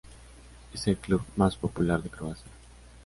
Es el club más popular de Croacia.